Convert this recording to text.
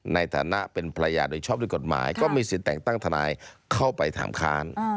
ในฐานะเป็นภรรยาโดยชอบด้วยกฎหมายก็มีสิทธิ์แต่งตั้งทนายเข้าไปถามค้าน